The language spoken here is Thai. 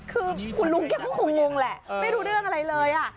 คือคุณลุงแกก็คงงแหละไม่รู้เรื่องอะไรเลย